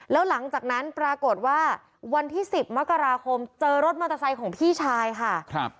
แล้วหลังจากนั้นปรากฏว่าวันที่๑๐มกราคมเจอรถมอเตอร์ไซค์ของพี่ชายค่ะ